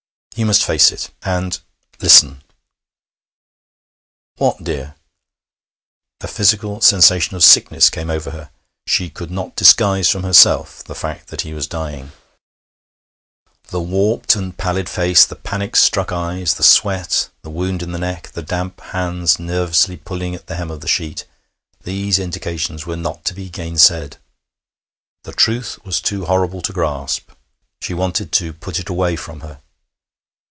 'You must face it. And listen.' 'What, dear?' A physical sensation of sickness came over her. She could not disguise from herself the fact that he was dying. The warped and pallid face, the panic struck eyes, the sweat, the wound in the neck, the damp hands nervously pulling the hem of the sheet these indications were not to be gainsaid. The truth was too horrible to grasp; she wanted to put it away from her.